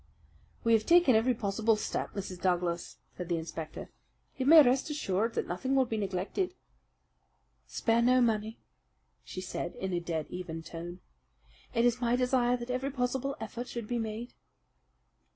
"We have taken every possible step, Mrs. Douglas," said the inspector. "You may rest assured that nothing will be neglected." "Spare no money," she said in a dead, even tone. "It is my desire that every possible effort should be made."